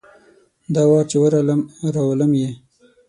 دا وار چي ورغلم ، راولم یې .